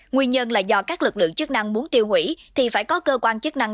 nguyên nhân là do các lực lượng chức năng muốn tiêu hủy thì phải có cơ quan chức năng